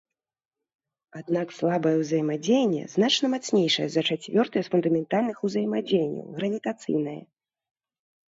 Аднак слабае ўзаемадзеянне значна мацнейшае за чацвёртае з фундаментальных узаемадзеянняў, гравітацыйнае.